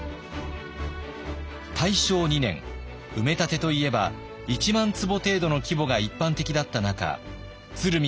大正２年埋め立てといえば１万坪程度の規模が一般的だった中鶴見